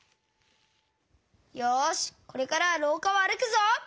よしこれからはろうかをあるくぞ！